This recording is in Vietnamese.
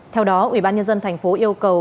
theo đó ubnd tp yêu cầu